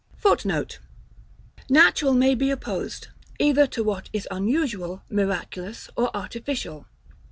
[Footnote: Natural may be opposed, either to what is UNUSUAL, MIRACULOUS or ARTIFICIAL.